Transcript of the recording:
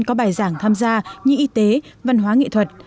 có bài giảng tham gia như y tế văn hóa nghệ thuật